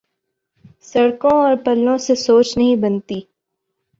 سڑکوں اور پلوں سے سوچ نہیں بنتی۔